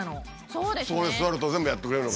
そこに座ると全部やってくれるの？